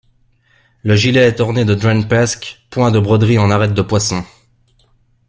Le gilet est orné de drein pesk, point de broderie en arrête de poisson.